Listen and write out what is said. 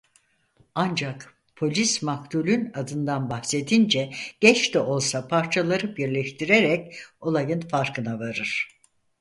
Ancak polis maktulün adından bahsedince geç de olsa parçaları birleştirerek olayın farkına varır.